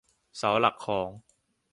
เสาหลักของ